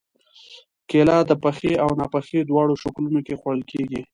کېله د پخې او ناپخې دواړو شکلونو کې خوړل کېږي.